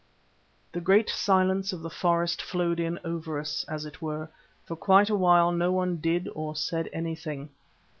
The great silence of the forest flowed in over us, as it were; for quite a while no one did or said anything.